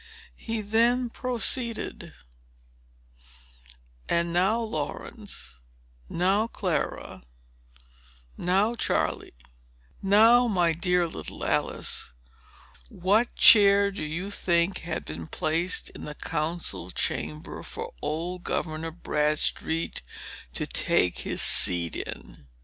He then proceeded: "And now, Laurence,—now, Clara,—now, Charley,—now, my dear little Alice,—what chair do you think had been placed in the council chamber, for old Governor Bradstreet to take his seat in?